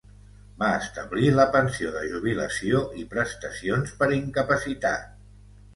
Va establir la pensió de jubilació i prestacions per incapacitat.